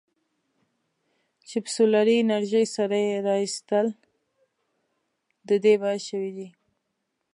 چې په سولري انرژۍ سره یې رایستل د دې باعث شویدي.